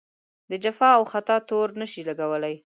د جفا او خطا تور نه شي لګولای.